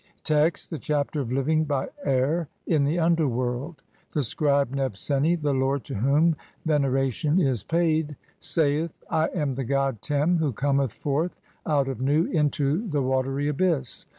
Text : (1) The Chapter of living by air in the under world. The scribe Nebseni, the lord to whom veneration is paid, saith :— "[I am the god Tern], who cometh forth out of (2) Nu into "the watery abyss.